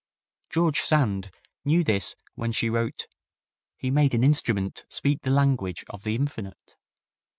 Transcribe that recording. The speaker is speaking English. George Sand knew this when she wrote, "He made an instrument speak the language of the infinite.